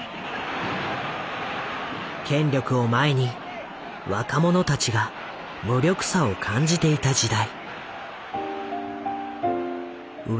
権力を前に若者たちが無力さを感じていた時代。